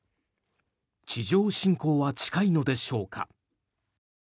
地上侵攻は近いのでしょうか。